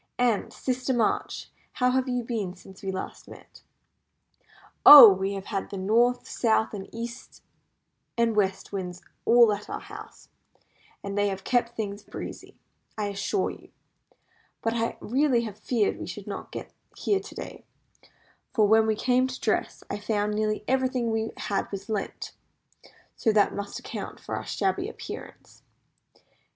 "And, Sister March, how have you been since we last met?" "Oh! we have had the North, South, East, and West Winds all at our house, and they have kept things breezy, I assure you. But I really feared we should not get here to day; for when we came to dress I found nearly everything we had was lent; so that must account for our shabby appearance."